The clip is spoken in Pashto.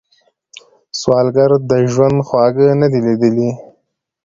سوالګر د ژوند خواږه نه دي ليدلي